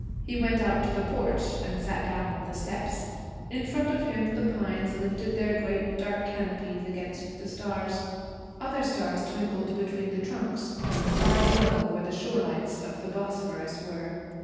He went out to the porch and sat down on the steps. In front of him the pines lifted their great dark canopies against the stars. Other stars twinkled between the trunks, far below, where the shore lights of the Bosphorus were.